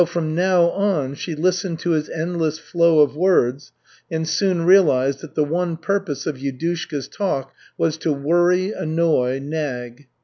So, from now on, she listened to his endless flow of words and soon realized that the one purpose of Yudushka's talk was to worry, annoy, nag.